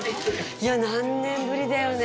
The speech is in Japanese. いや、何年ぶりだよね。